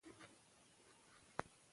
هغه د اصفهان په جګړه کې لوی رول درلود.